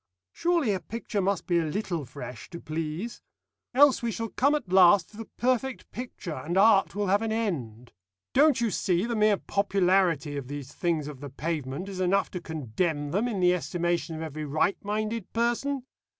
Surely a picture must be a little fresh to please. Else we shall come at last to the perfect picture, and art will have an end. Don't you see the mere popularity of these things of the pavement is enough to condemn them in the estimation of every right minded person?"